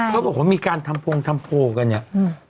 เขาบอกว่ามีการทำพงทำโพลกันเนี่ย